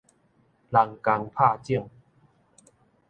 人工拍種